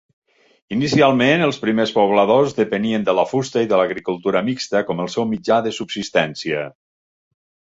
Inicialment, els primers pobladors depenien de la fusta i de l'agricultura mixta com el seu mitjà de subsistència.